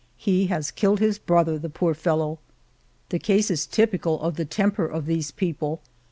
He has killed his brother, the poor fellow." The case is typical of the temper of these people.